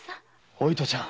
お糸ちゃん！